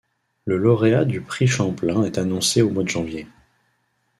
Le lauréat du Prix Champlain est annoncé au mois de janvier.